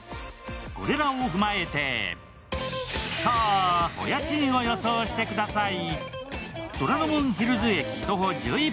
これらを踏まえて、さぁ、お家賃を予想してください。